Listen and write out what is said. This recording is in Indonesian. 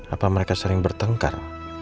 apa mereka sering bertengkar